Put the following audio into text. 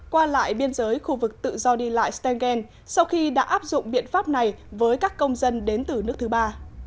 qua lại biên giới khu vực tự do đi lại sten sau khi đã áp dụng biện pháp này với các công dân đến từ nước thứ ba